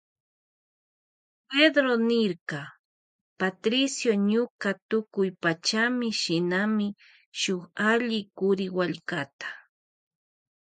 Pedró niyrka Patricio ñuka tukuypachami shinani shuk alli kuriwallkata.